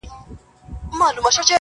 نن د سيند پر غاړه روانــــېـــــــــږمه.